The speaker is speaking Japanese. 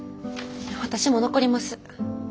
私も残ります。